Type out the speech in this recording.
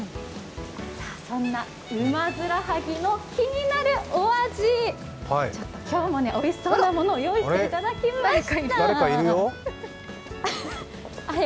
そんなウマヅラハギの気になるお味、今日もおいしそうなものを用意していただきました。